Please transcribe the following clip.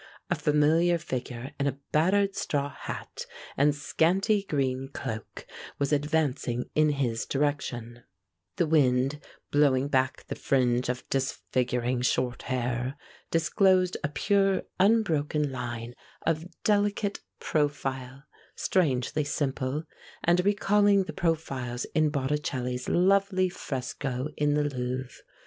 A familiar figure in a battered straw hat and scanty green cloak was advancing in his direction; the wind, blowing back the fringe of disfiguring short hair, disclosed a pure unbroken line of delicate profile, strangely simple, and recalling the profiles in Botticelli's lovely fresco in the Louvre.